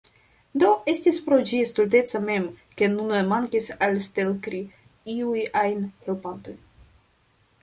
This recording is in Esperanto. Do, estis pro ĝia stulteco mem ke nun mankis al Stelkri iuj ajn helpantoj.